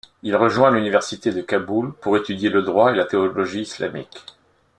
Il rejoint l'université de Kaboul pour étudier le droit et la théologie islamique.